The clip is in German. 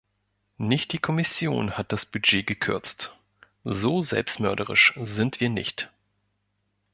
Nicht die Kommission hat das Budget gekürzt so selbstmörderisch sind wir nicht.